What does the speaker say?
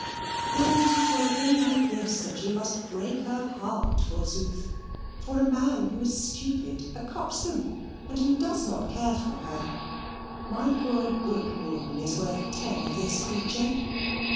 and it is for a thing like this that she must break her heart, forsooth for a man who is stupid a coxcomb and who does not care for her. My poor good Rawdon is worth ten of this creature."